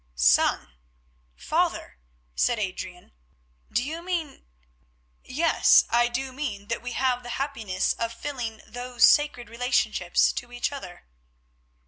"Son? Father?" said Adrian. "Do you mean——?" "Yes, I do mean that we have the happiness of filling those sacred relationships to each other."